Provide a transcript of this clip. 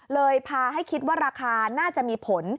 เลยพาให้คิดว่าราคาน่าจะมีผล